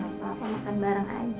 gak apa apa makan bareng aja